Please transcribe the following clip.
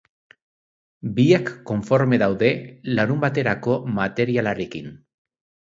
Biak konforme daude larunbaterako materialarekin.